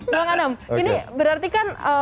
bang anam ini berarti kan